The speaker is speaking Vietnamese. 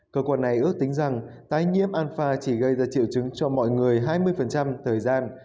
cơ quan này ước tính rằng tái nhiễm alpha chỉ gây ra triệu chứng cho mọi người hai mươi thời gian